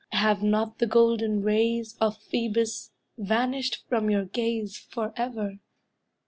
Have not the golden rays Of Phoebus vanished from your gaze Forever?